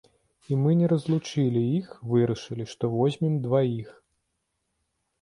І мы не разлучылі іх, вырашылі, што возьмем дваіх.